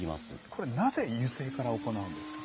これなぜ油性から行うんですか。